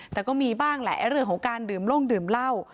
แต่ก็มีบ้างแหละเรื่องของการดื่มลงดื่มเหล้า